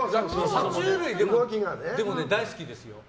爬虫類大好きですよ。